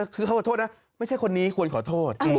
คือเขาขอโทษนะไม่ใช่คนนี้ควรขอโทษ